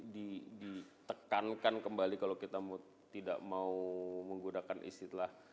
ditekankan kembali kalau kita mau tidak mau menggunakan istilah